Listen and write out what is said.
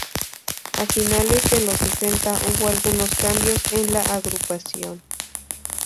A finales de los sesenta hubo algunos cambios en la agrupación.